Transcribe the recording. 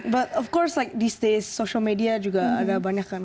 but of course like these days social media juga agak banyak kan